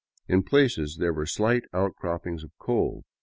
In places there were slight outcrop pings of coal.